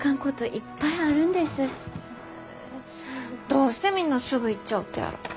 どうしてみんなすぐ行っちゃうとやろ。